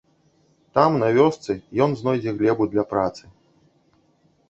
Там, на вёсцы, ён знойдзе глебу для працы.